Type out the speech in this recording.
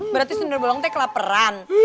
berarti sundar bolong itu kelaparan